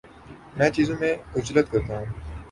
میں چیزوں میں عجلت کرتا ہوں